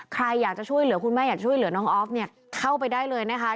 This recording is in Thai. ใครอยากจะช่วยเหลือคุณแม่อยากช่วยเหลือน้องออฟเนี่ยเข้าไปได้เลยนะคะ